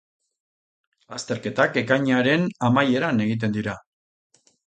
Azterketak ekainaren amaieran egiten dira.